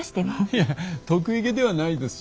いえ得意げではないですし